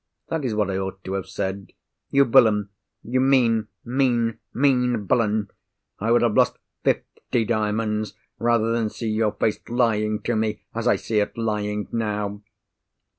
That is what I ought to have said. You villain, you mean, mean, mean villain, I would have lost fifty diamonds, rather than see your face lying to me, as I see it lying now!"